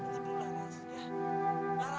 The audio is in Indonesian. tetap dulu laras ya laras